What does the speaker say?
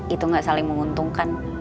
itu gak saling menguntungkan